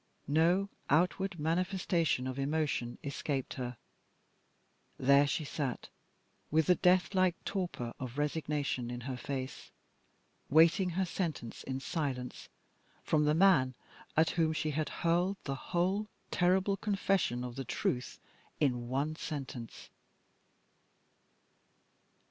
No outward manifestation of emotion escaped her. There she sat with the death like torpor of resignation in her face waiting her sentence in silence from the man at whom she had hurled the whole terrible confession of the truth in one sentence!